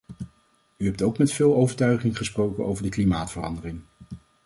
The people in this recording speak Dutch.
U hebt ook met veel overtuiging gesproken over de klimaatverandering.